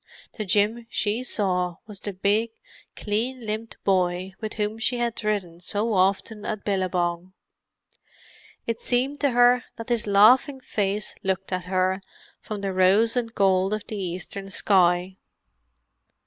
The Jim she saw was the big, clean limbed boy with whom she had ridden so often at Billabong. It seemed to her that his laughing face looked at her from the rose and gold of the eastern sky.